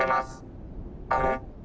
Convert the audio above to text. あれ？」